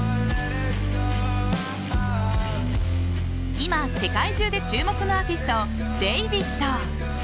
今、世界中で注目のアーティストｄ４ｖｄ。